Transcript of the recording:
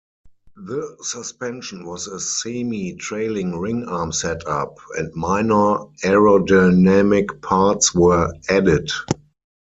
The suspension was a semi-trailing ring arm setup and minor aerodynamic parts were added.